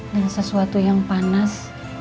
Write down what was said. dan sesuatu yang panas